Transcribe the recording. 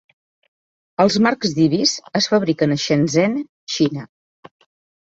Els marcs d"ibis es fabriquen a Shenzhen, Xina.